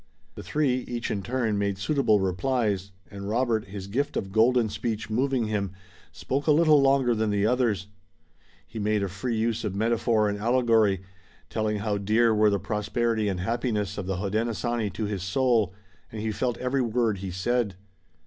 The three, each in turn, made suitable replies, and Robert, his gift of golden speech moving him, spoke a little longer than the others. He made a free use of metaphor and allegory, telling how dear were the prosperity and happiness of the Hodenosaunee to his soul, and he felt every word he said.